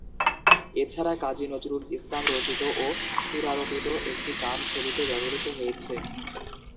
এছাড়া কাজী নজরুল ইসলাম রচিত ও সুরারোপিত একটি গান ছবিতে ব্যবহৃত হয়েছে।